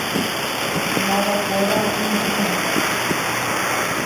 Mavakuéra oñe'ẽva.